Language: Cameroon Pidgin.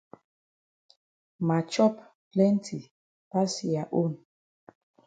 Ma chop plenti pass ya own.